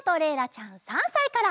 ちゃん３さいから。